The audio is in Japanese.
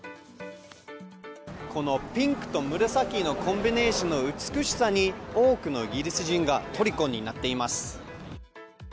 このピンクと紫のコンビネーションの美しさに多くのイギリス人がとりこになっています。